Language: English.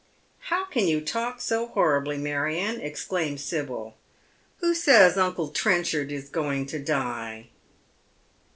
" How can you talk bo horribly, Marion ?" exclaims SibyL " Who says uncle Trenchard is going to die